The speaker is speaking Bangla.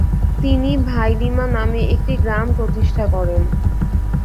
তিনি ভাইলিমা নামে একটি গ্রাম প্রতিষ্ঠা করেন।